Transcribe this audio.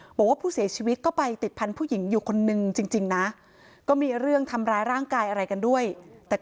เพราะว่าผู้เสียชีวิตก็ไปติดพันธ์ผู้หญิงอยู่คนนึงจริงนะ